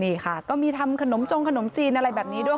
นี่ค่ะก็มีทำขนมจงขนมจีนอะไรแบบนี้ด้วย